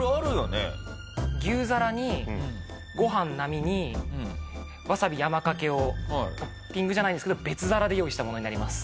牛皿にごはん並にわさび山かけをトッピングじゃないんですけど別皿で用意したものになります。